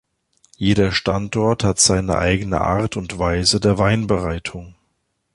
Jeder Standort hat seine eigene Art und Weise der Weinbereitung.